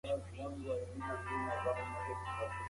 په دې خپل حلال معاش مي صبر کړی